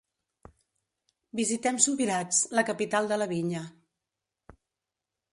Visitem Subirats, la capital de la vinya.